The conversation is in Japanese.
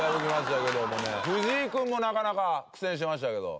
藤井君もなかなか苦戦してましたけど。